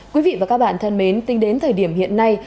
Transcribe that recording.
quý vị và các bạn thân mến tính đến thời điểm hiện nay